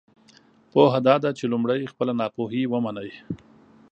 پوهه دا ده چې لمړی خپله ناپوهۍ ومنی!